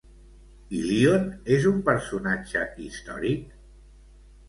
Ilíone és un personatge històric?